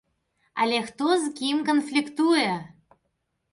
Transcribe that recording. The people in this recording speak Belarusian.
Але хто з кім канфліктуе?